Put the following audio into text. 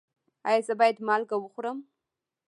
ایا زه باید مالګه وخورم؟